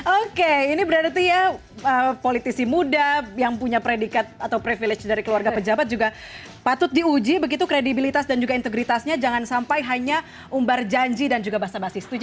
oke ini berarti ya politisi muda yang punya predikat atau privilege dari keluarga pejabat juga patut diuji begitu kredibilitas dan juga integritasnya jangan sampai hanya umbar janji dan juga bahasa bahasa setuju